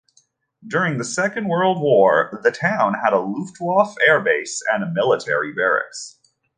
During the Second World War the town had a Luftwaffe airbase and military barracks.